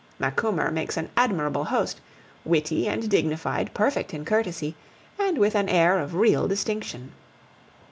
Macumer makes an admirable host, witty and dignified, perfect in courtesy, and with an air of real distinction.